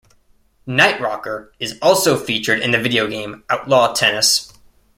"Nightrocker" is also featured in the video game "Outlaw Tennis".